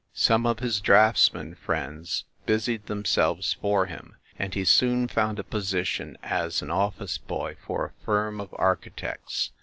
Some of his draftsmen friends busied them selves for him and he soon found a position as an office boy for a firm of architects.